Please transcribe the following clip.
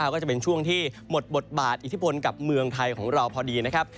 ก็จะเป็นช่วงที่หมดบทบาทอิทธิพลกับเมืองไทยของเราพอดีนะครับ